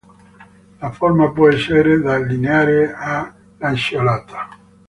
La forma può essere da lineare a lanceolata.